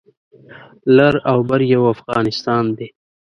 لر او بر یو افغانستان دی